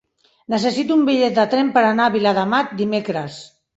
Necessito un bitllet de tren per anar a Viladamat dimecres.